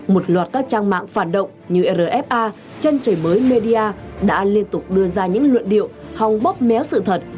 một loạt các trang mạng phản động như rfa chân trời mới media đã liên tục đưa ra những luận điệu hòng bóp méo sự thật